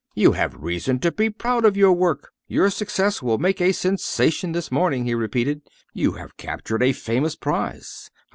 "You have reason to be proud of your work; your success will make a sensation this morning," he repeated. "You have captured a famous prize.